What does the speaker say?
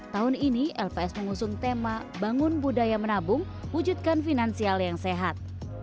tahun ini lps mengusung tema bangun budaya menabung wujudkan finansial yang sehat